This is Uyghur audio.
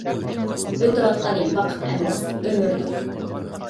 ئۆتۈۋاتقىنى ۋاقىت ئەمەس، ئۆمۈردۇر.